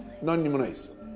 何にもないですよ。